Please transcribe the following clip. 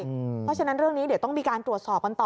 เพราะฉะนั้นเรื่องนี้เดี๋ยวต้องมีการตรวจสอบกันต่อ